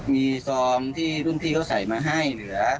มีซองที่รุ่นพี่เขาใส่มาให้เหลือ